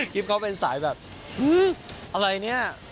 คลิปเขาเป็นสายแบบอะไรเนี่ย